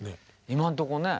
今んとこね。